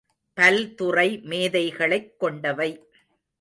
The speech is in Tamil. பல்துறை மேதைகளைக் கொண்டவை.